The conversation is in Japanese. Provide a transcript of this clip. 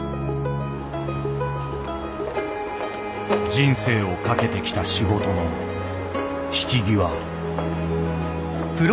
人生を懸けてきた仕事の引き際。